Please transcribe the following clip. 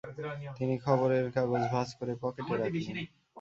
তিনি খবরের কাগজ ভাঁজ করে পকেটে রাখলেন।